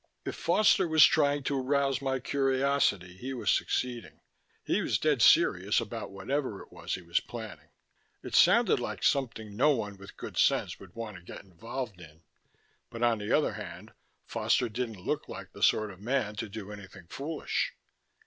If Foster was trying to arouse my curiosity, he was succeeding. He was dead serious about whatever it was he was planning. It sounded like something no one with good sense would want to get involved in but on the other hand, Foster didn't look like the sort of man to do anything foolish....